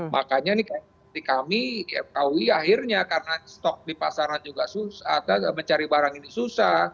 makanya ini kayak seperti kami fkwi akhirnya karena stok di pasaran juga susah atau mencari barang ini susah